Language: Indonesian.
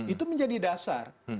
itu menjadi dasar